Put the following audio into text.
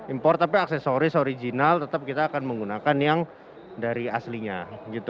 impor tapi aksesoris original tetap kita akan menggunakan yang dari aslinya